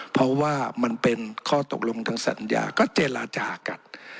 เพราะว่ามันเป็นข้อตกลงทางสัญญาก็เจรจากัน